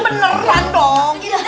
yang beneran dong